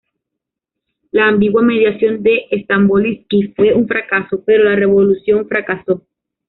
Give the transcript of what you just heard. La ambigua mediación de Stamboliski fue un fracaso pero la revolución fracasó.